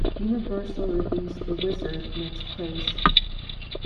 Universal released "The Wizard" in its place.